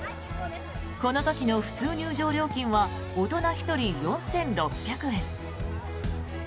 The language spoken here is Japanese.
この時の普通入場料金は大人１人４６００円。